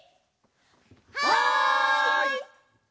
はい！